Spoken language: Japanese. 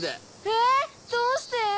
え⁉どうして？